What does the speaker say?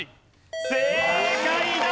正解だ！